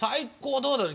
どうだろう。